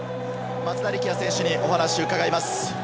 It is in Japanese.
松田力也選手にお話を伺います。